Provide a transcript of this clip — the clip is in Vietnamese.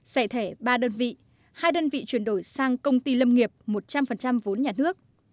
giải thể ba đơn vị hai đơn vị chuyển đổi sang công ty lâm nghiệp một trăm linh vốn nhà nước